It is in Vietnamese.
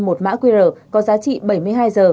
một mã qr có giá trị bảy mươi hai giờ